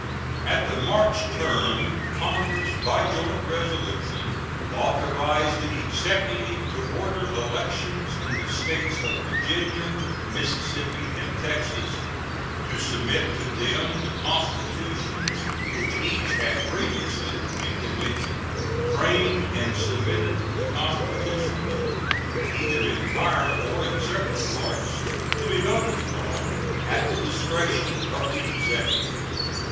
At the March term Congress by joint resolution authorized the Executive to order elections in the States of Virginia, Mississippi, and Texas, to submit to them the constitutions which each had previously, in convention, framed, and submit the constitutions, either entire or in separate parts, to be voted upon, at the discretion of the Executive.